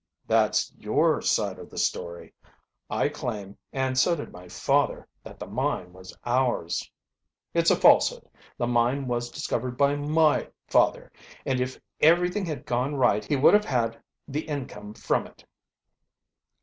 "That's your side of the story. I claim, and so did my father, that the mine was ours." "It's a falsehood. The mine was discovered by my fattier, and if everything had gone right he would have had the income from it."